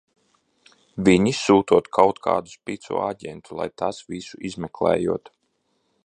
Viņi sūtot kaut kādu spico aģentu, lai tas visu izmeklējot!